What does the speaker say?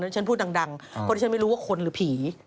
ฉันพูดดังเพราะที่ฉันไม่รู้ว่าคนหรือผี